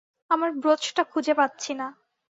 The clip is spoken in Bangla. আমার ব্রোচটা খুঁজে পাচ্ছি না।